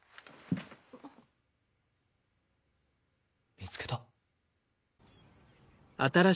見つけた。